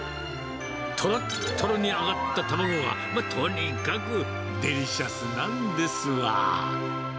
とろっとろに揚がった卵が、まあとにかくデリシャスなんですわ。